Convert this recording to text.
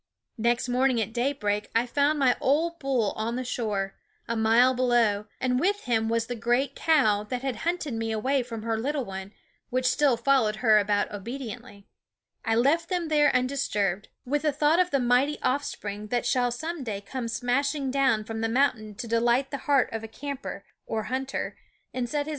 I Next morning at daybreak I found my '}.'; old bull on the shore, a mile below; and with him was the great cow that had hunted me away from her little one, which still followed her about obediently. I left them there undisturbed, with a thought of the mighty offspring that shall some day come smashing down from the moun tain to delight 306 the heart of camper or hunter and set his JHJfi